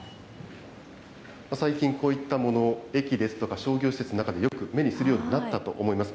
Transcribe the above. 最近、こういったもの、駅ですとか、商業施設の中でよく目にするようになったと思います。